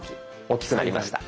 大きくなりました。